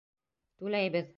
Түләйбеҙ!